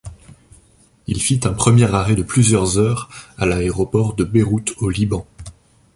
Il fit un premier arrêt de plusieurs heures à l'aéroport de Beyrouth au Liban.